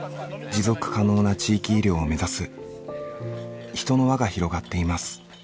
持続可能な地域医療を目指す人の輪が広がっています。